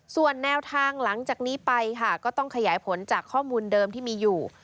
ส่วนแนวทางหลังจากนี้ไปค่ะก็ต้องขยายผลจากข้อมูลเดิมที่มีอยู่